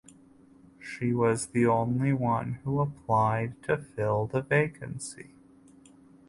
She was the only one who applied to fill the vacancy.